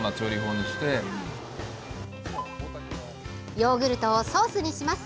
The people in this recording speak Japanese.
ヨーグルトをソースにします。